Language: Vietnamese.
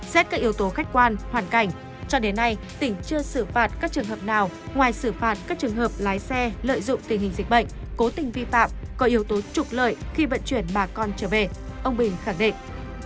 xét các yếu tố khách quan hoàn cảnh cho đến nay tỉnh chưa xử phạt các trường hợp nào ngoài xử phạt các trường hợp lái xe lợi dụng tình hình dịch bệnh cố tình vi phạm có yếu tố trục lợi khi vận chuyển bà con trở về ông bình khẳng định